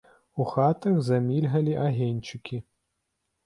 У хатах замільгалі агеньчыкі.